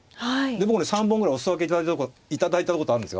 僕ね３本ぐらいお裾分け頂いたことあるんですよ。